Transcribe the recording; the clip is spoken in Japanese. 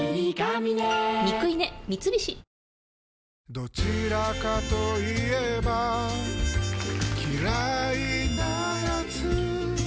どちらかと言えば嫌いなやつ